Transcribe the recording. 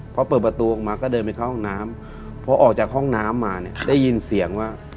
พอเปิดประตูออกมาก็เดินไปเข้าห้องน้ำพอออกจากห้องน้ำมาเนี่ยได้ยินเสียงว่า